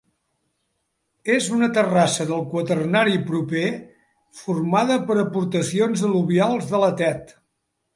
És una terrassa del quaternari proper, formada per aportacions al·luvials de la Tet.